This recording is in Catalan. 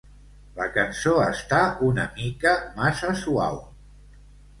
La cançó està una mica massa suau.